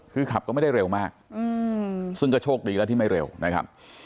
คือขับก็ไม่ได้เร็วมากซึ่งก็โชคดีแล้วที่ไม่เร็วนะครับ